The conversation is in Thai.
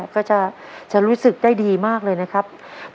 ก็จะรู้สึกได้ดีมากเลยนะครับ